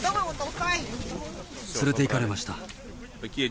連れて行かれました。